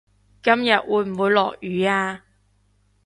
今日會唔會落雨呀